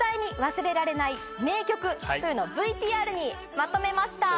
というのをＶＴＲにまとめました。